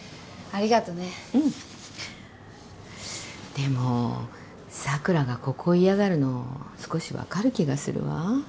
でもさくらがここを嫌がるの少し分かる気がするわ。